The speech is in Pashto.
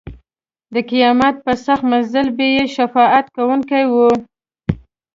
د قیامت په سخت منزل به یې شفاعت کوونکی وي.